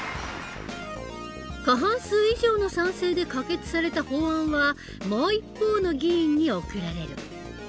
過半数以上の賛成で可決された法案はもう一方の議員に送られる。